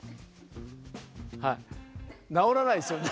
直らないですよね。